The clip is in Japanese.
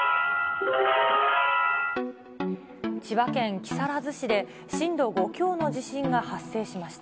千葉県木更津市で震度５強の地震が発生しました。